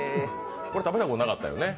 食べたことなかったよね。